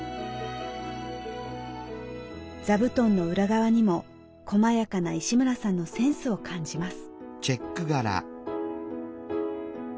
座布団の裏側にもこまやかな石村さんのセンスを感じます。